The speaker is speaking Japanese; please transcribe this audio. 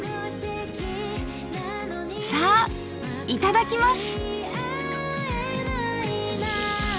さあいただきます！